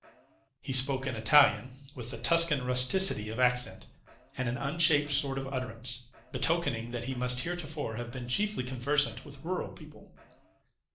He spoke in Italian, with the Tuscan rusticity of accent, and an unshaped sort of utterance, betokening that he must heretofore have been chiefly conversant with rural people.